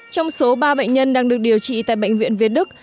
trong số ba bệnh nhân đang được điều trị tại bệnh viện việt đức